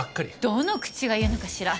どの口が言うのかしら。